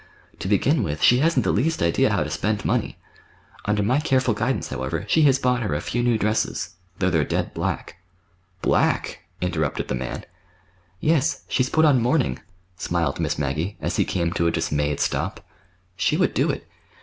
To begin with, she hasn't the least idea how to spend money. Under my careful guidance, however, she has bought her a few new dresses—though they're dead black—" "Black!" interrupted the man. "Yes, she's put on mourning," smiled Miss Maggie, as he came to a dismayed stop. "She would do it.